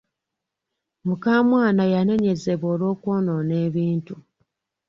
Mukamwana yaneenyezebwa olw'okwonoona ebintu.